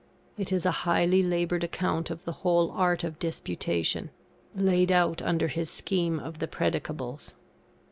It is a highly laboured account of the whole art of Disputation, laid out under his scheme of the Predicables.